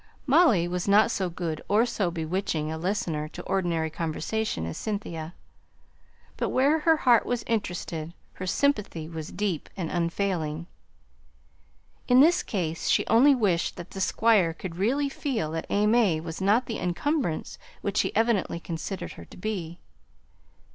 Molly was not so good or so bewitching a listener to ordinary conversation as Cynthia; but where her heart was interested her sympathy was deep and unfailing. In this case she only wished that the Squire could really feel that AimÄe was not the encumbrance which he evidently considered her to be.